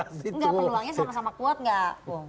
enggak peluangnya sama sama kuat gak